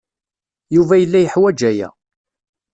Yuba yella yeḥwaj aya.